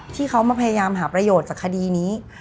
ที่เขามาพยายามหาประโยชน์จากคดีนี้